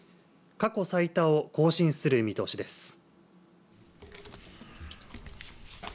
過去最多を更新する見通しです。